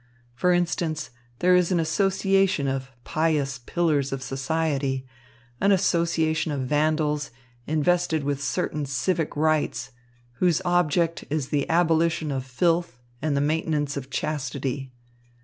For instance, there is an association of pious pillars of society, an association of vandals, invested with certain civic rights, whose object is the abolition of filth and the maintenance of chastity.